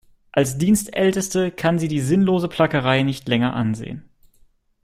Als Dienstälteste kann sie die sinnlose Plackerei nicht länger ansehen.